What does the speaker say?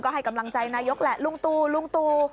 ให้กำลังใจนายกแหละลุงตูลุงตู